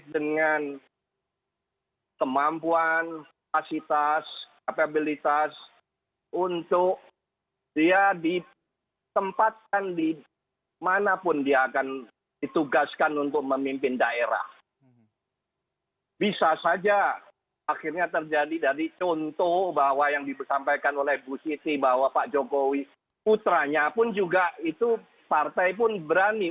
dan pada hari ini kita berjumpa dengan pertanyaan yang